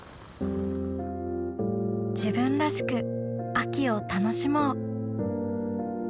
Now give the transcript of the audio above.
自分らしく秋を楽しもうあーーー！